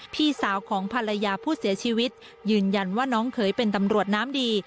พี่สาวของภรรยาผู้เสียชีวิตยืนยันว่าน้องเขยเป็นตำรวจน้ำดี